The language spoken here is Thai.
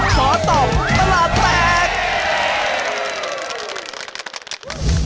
ขอตอบตลาดแตก